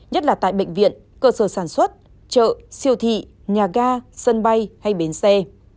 nhất là tại bệnh viện cơ sở sản xuất chợ siêu thị nhà ga sân bay hay bến xe